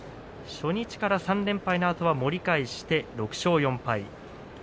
初日から３連敗のあと盛り返しました、６勝４敗です。